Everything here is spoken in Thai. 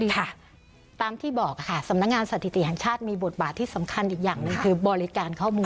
ค่ะตามที่บอกค่ะสำนักงานสถิติแห่งชาติมีบทบาทที่สำคัญอีกอย่างหนึ่งคือบริการข้อมูล